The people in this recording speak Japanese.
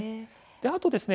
あとですね